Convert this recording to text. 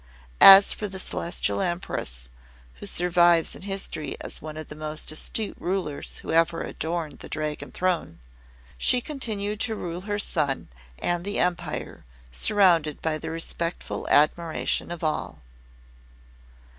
As for the Celestial Empress (who survives in history as one of the most astute rulers who ever adorned the Dragon Throne), she continued to rule her son and the Empire, surrounded by the respectful admiration of all.